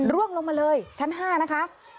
ร่วงลงมาเลยชั้น๕นะคะ